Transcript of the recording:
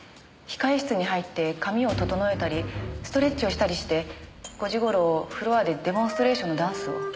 控室に入って髪を整えたりストレッチをしたりして５時頃フロアでデモンストレーションのダンスを。